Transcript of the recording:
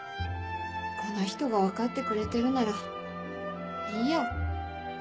「この人が分かってくれてるならいいや。